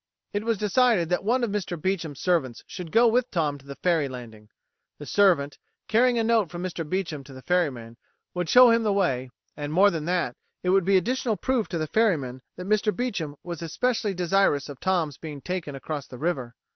It was decided that one of Mr. Beecham's servants should go with Tom to the ferry landing. The servant, carrying a note from Mr. Beecham to the ferryman, would show him the way, and, more than that, it would be additional proof to the ferryman that Mr. Beecham was especially desirous of Tom's being taken across the river.